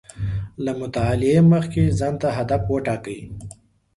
له مطالعې مخکې ځان ته هدف و ټاکئ